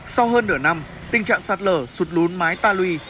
sau hơn nửa năm tình trạng sạt lở rụt lốn mái ta lùi